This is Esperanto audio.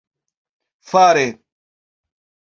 fare